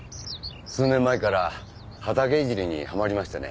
数年前から畑いじりにはまりましてね。